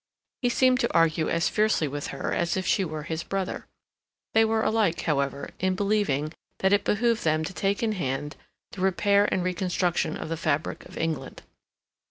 He seemed to argue as fiercely with her as if she were his brother. They were alike, however, in believing that it behooved them to take in hand the repair and reconstruction of the fabric of England.